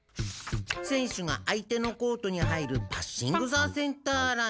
選手が相手のコートに入るパッシング・ザ・センターライン。